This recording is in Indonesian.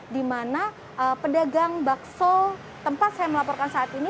dimana pedagang bakso tempat saya melaporkan saat ini